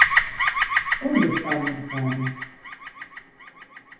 ¿Onde está o mercado?